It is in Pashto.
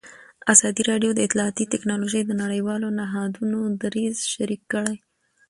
ازادي راډیو د اطلاعاتی تکنالوژي د نړیوالو نهادونو دریځ شریک کړی.